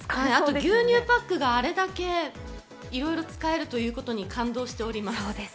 牛乳パックがあれだけいろいろ使えるということに感動しています。